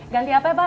ganti apa ya pak